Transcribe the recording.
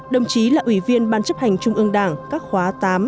đồng chí là ủy viên ban chấp hành trung ương đảng các khóa tám